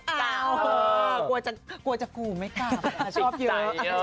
กลัวจากกูไม่กล้าแต่ชอบเยอะ